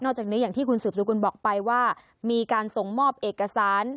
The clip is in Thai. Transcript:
จากนี้อย่างที่คุณสืบสกุลบอกไปว่ามีการส่งมอบเอกสาร